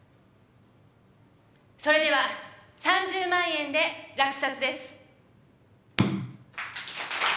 それでは３０万円で落札です。